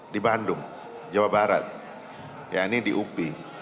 di bandung jawa barat ya ini di upi